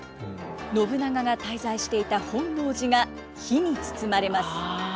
信長が滞在していた本能寺が火に包まれます。